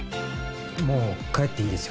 もう帰っていいですよ。